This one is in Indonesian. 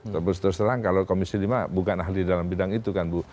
terus terus terang kalau komisi lima bukan ahli dalam bidang itu kan bu